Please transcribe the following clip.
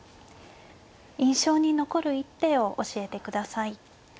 印象に残る一手を教えてください。